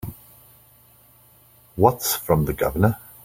What's from the Governor?